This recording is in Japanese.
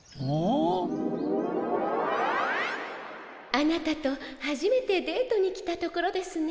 あなたとはじめてデートに来たところですね。